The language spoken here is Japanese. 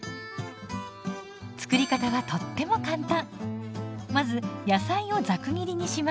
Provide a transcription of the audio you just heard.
作り方はとっても簡単。